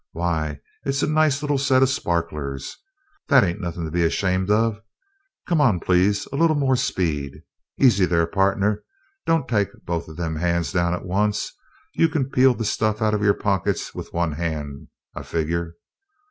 Why, it's a nice little set o' sparklers. That ain't nothin' to be ashamed of. Come on, please; a little more speed. Easy there, partner; don't take both them hands down at once. You can peel the stuff out of your pockets with one hand, I figure.